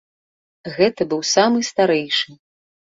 Гэта быў самы старэйшы.